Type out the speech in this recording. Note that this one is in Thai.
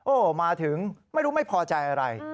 โอ้โหมาถึงไม่รู้ไม่พอใจอะไร